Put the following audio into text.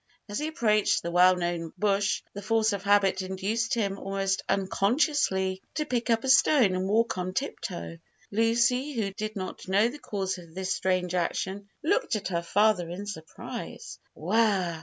As he approached the well known bush, the force of habit induced him almost unconsciously to pick up a stone and walk on tip toe. Lucy, who did not know the cause of this strange action, looked at her father in surprise. Whirr!